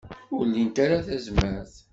Ur lint ara tazmert.